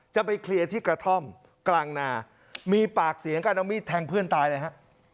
จะไปเคลียร์ที่กระท่อมกลางนามีปากเสียงกันเอามีดแทงเพื่อนตายเลยฮะ